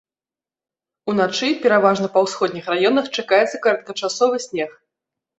Уначы, пераважна па ўсходніх раёнах, чакаецца кароткачасовы снег.